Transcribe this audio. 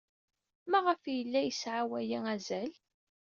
Maɣef ay yella yesɛa waya azal?